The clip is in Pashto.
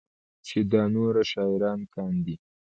چې دا نور شاعران کاندي